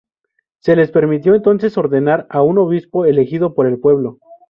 Se les permitió entonces ordenar a un obispo elegido por el pueblo.